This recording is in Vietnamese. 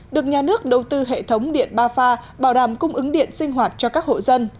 được nhà nước đầu tư hệ thống điện ba pha bảo đảm cung ứng điện sinh hoạt cho các hộ dân